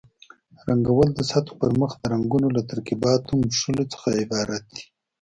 رنګول د سطحو پرمخ د رنګونو له ترکیباتو مښلو څخه عبارت دي.